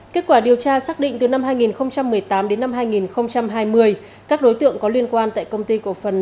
kết quả điều tra xác định từ năm hai nghìn một mươi tám đến năm hai nghìn hai mươi các đối tượng có liên quan tại công ty cổ phần